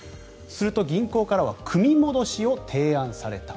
すると銀行からは組み戻しを提案された。